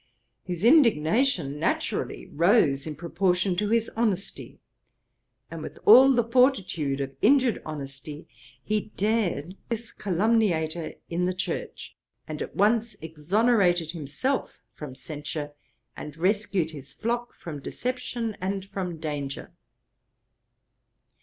His indignation naturally rose in proportion to his honesty, and with all the fortitude of injured honesty, he dared this calumniator in the church, and at once exonerated himself from censure, and rescued his flock from deception and from danger.